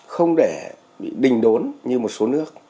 không để bị đình đốn như một số nước